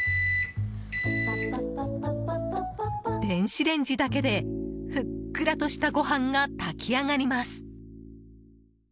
電子レンジだけでふっくらとしたご飯が炊き上がります。